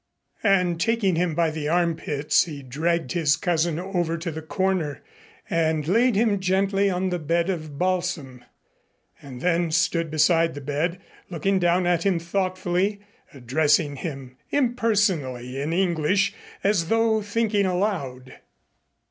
And taking him by the armpits he dragged his cousin over to the corner and laid him gently on the bed of balsam, and then stood beside the bed looking down at him thoughtfully, addressing him impersonally in English, as though thinking aloud.